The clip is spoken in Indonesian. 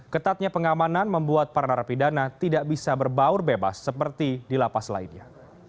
ketatnya pengamanan membuat para narapidana tidak bisa berbaur bebas seperti di lapas lainnya